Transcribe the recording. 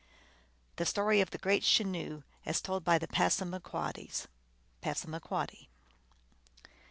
The Story of the Great Chenoo, as told by the Passama quoddies. (Passamaquoddy)